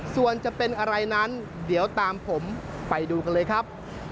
ส่วนจะเป็นอะไรนั้นเดี๋ยวตามผมไปดูกันเลยครับ